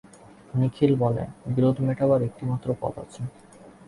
নিখিল বলে, বিরোধ মেটাবার একটিমাত্র পথ আছে।